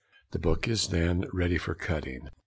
The book is then ready for cutting.